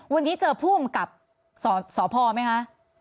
วันนี้เจอภูมิกับสอพอร์ไหมคะ